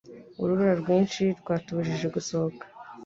Urubura rwinshi rwatubujije gusohoka.